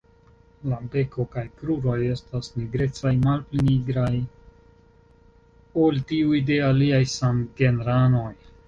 La beko kaj kruroj estas nigrecaj, malpli nigraj ol tiuj de aliaj samgenranoj.